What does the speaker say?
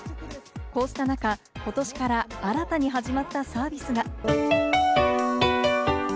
こうした中、ことしから新たに始まったサービスが。